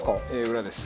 裏です。